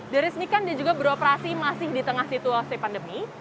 diresmikan dan juga beroperasi masih di tengah situasi pandemi